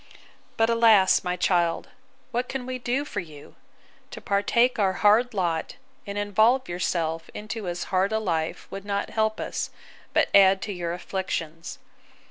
But, alas! my child, what can we do for you?—To partake our hard lot, and involve yourself into as hard a life, would not help us, but add to your afflictions.